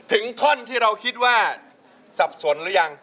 ท่อนที่เราคิดว่าสับสนหรือยัง